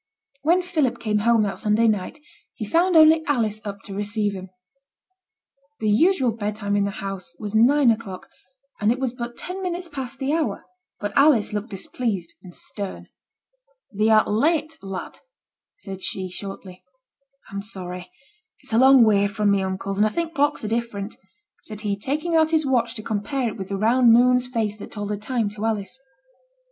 When Philip came home that Sunday night, he found only Alice up to receive him. The usual bedtime in the household was nine o'clock, and it was but ten minutes past the hour; but Alice looked displeased and stern. 'Thee art late, lad,' said she, shortly. 'I'm sorry; it's a long way from my uncle's, and I think clocks are different,' said he, taking out his watch to compare it with the round moon's face that told the time to Alice.